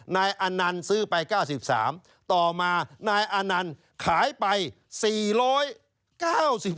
นายอนันทร์ซื้อไป๙๓ต่อมานายอนันทร์ขายไป๔๙๒ล้านครับ